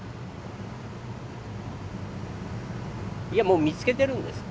いやもう見つけてるんです。